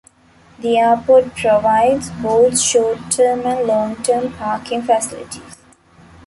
The airport provides both short-term and long-term parking facilities.